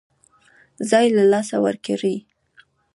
ځای له لاسه ورکړي.